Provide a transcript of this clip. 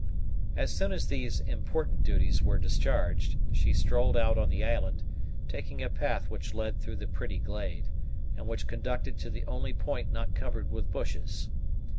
As soon as these important duties were discharged, she strolled out on the island, taking a path which led through the pretty glade, and which conducted to the only point not covered with bushes.